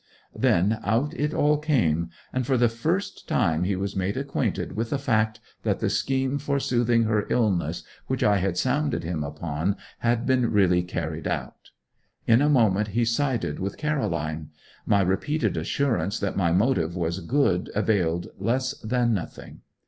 Then out it all came, and for the first time he was made acquainted with the fact that the scheme for soothing her illness, which I had sounded him upon, had been really carried out. In a moment he sided with Caroline. My repeated assurance that my motive was good availed less than nothing.